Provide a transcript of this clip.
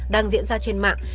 đang diễn ra trên mạng